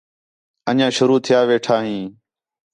انڄیاں شروع تِھیا ویٹھاں ہیں